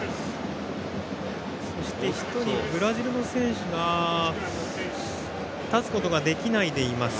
そして、１人ブラジルの選手が立つことができないでいます。